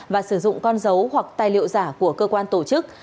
và sử dụng con dấu hoặc tài liệu giả của cơ quan tổ chức